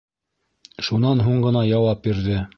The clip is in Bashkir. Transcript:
Шунан һуң ғына яуап бирҙе.